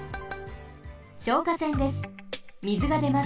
消火栓です。